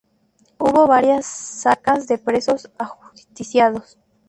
Hubo varias sacas de presos ajusticiados.